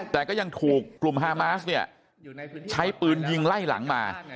แต่ก็ยังถูกกลุ่มฮามาสเนี่ยใช้ปืนยิงไล่หลังมา